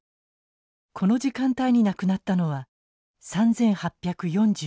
この時間帯に亡くなったのは３，８４２人。